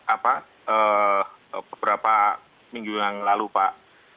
apa beberapa minggu yang lalu pak